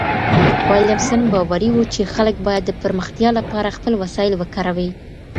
ويلم سن باوري و چي خلګ بايد د پرمختيا لپاره خپل وسايل وکاروي.